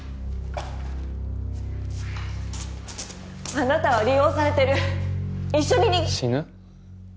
あなたは利用されてる一緒に死ぬ？